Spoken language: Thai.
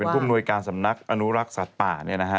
ภูมิหน่วยการสำนักอนุรักษ์สัตว์ป่าเนี่ยนะฮะ